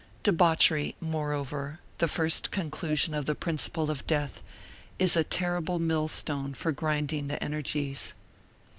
Debauchery, moreover, the first conclusion of the principle of death, is a terrible millstone for grinding the energies.